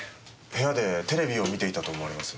部屋でテレビを観ていたと思われます。